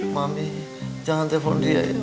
mami jangan telepon dia